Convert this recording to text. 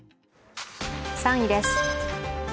３位です。